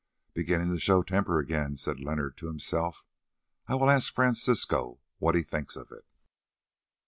"Beginning to show temper again," said Leonard to himself. "I will ask Francisco what he thinks of it."